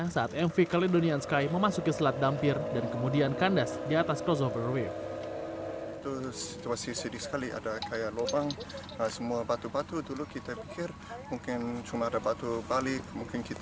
saat mv caledonian sky memasuki selat dampir dan kemudian kandas di atas crossover way